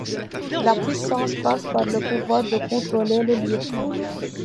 La puissance passe par le pouvoir de contrôler le livre.